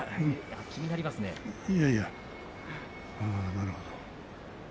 なるほど。